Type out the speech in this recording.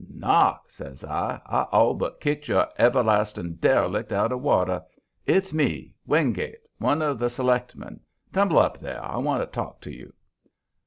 "Knock!" says I. "I all but kicked your everlasting derelict out of water. It's me, Wingate one of the selectmen. Tumble up, there! I want to talk to you."